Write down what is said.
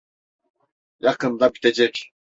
Yakında bitecek.